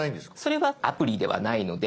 それはアプリではないので。